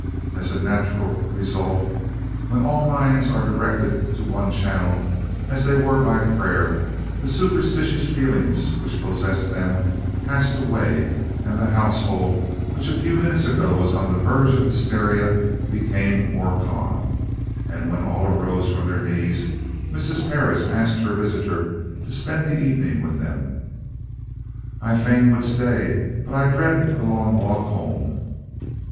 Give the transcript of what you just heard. As a natural result, when all minds were directed to one channel, as they were by prayer, the superstitious feeling which possessed them passed away, and the household, which a few moments ago was on the verge of hysteria, became more calm, and when all rose from their knees, Mrs. Parris asked her visitor to spend the evening with them. "I fain would stay; but I dread the long walk home."